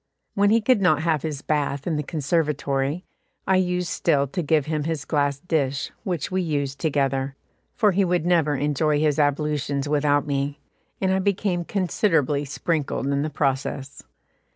When he could not have his bath in the conservatory, I used still to give him his glass dish, which we used together, for he would never enjoy his ablutions without me, and I became considerably sprinkled in the process.